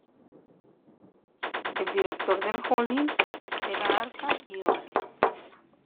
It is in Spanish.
El director del Holding era Anca Ioan.